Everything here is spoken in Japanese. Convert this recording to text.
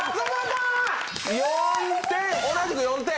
４点同じく４点。